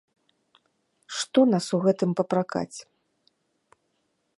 Што нас у гэтым папракаць?